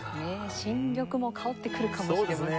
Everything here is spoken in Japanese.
新緑も香ってくるかもしれませんね。